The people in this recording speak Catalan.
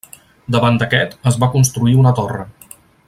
Davant d'aquest es va construir una torre.